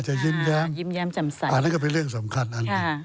จะยิ้มแย้มอันนี้ก็เป็นเรื่องสำคัญอันนี้